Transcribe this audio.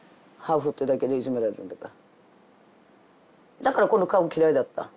だからこの顔も嫌いだった。